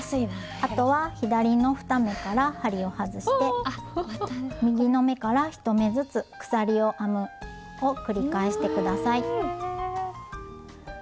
あとは左の２目から針を外して右の目から１目ずつ鎖を編むを繰り返して下さい。